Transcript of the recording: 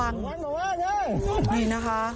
นี่นะคะ